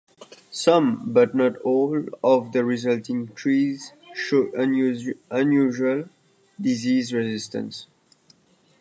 Some, but not all, of the resulting trees show unusual disease resistance.